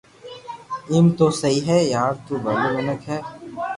ايم تو سھي ھي يار تو ٻلو منيک ھي